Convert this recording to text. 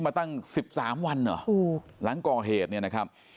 มาตั้ง๑๓วันเหรอหลังก่อเหตุเนี่ยนะครับ